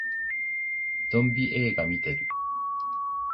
ゾンビ映画見てる